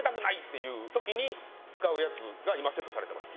いう時に使うやつが今セットされてます。